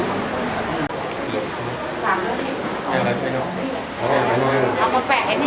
ขอบคุณครับ